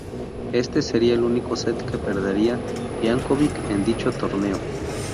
Este sería el único set que perdería Janković en dicho torneo.